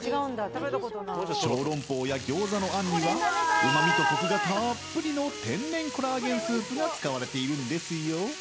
小龍包やギョーザのあんにはうまみとコクがたっぷりの天然コラーゲンスープが使われているんですよ。